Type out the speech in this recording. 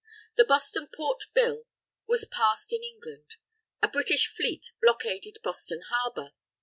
The Boston Port Bill was passed in England. A British Fleet blockaded Boston Harbour.